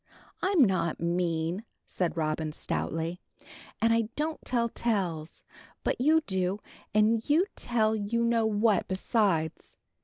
"I'm not mean," said Robin stoutly; "and I don't tell tales; but you do, and you tell you know what, besides.